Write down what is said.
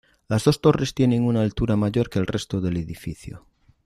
Las dos torres tienen una altura mayor que el resto del edificio.